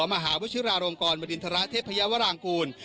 มหาวชิราโรงกรมดินทราเทพพยาวรางกูล